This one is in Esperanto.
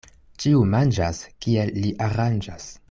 Ĉiu manĝas, kiel li aranĝas.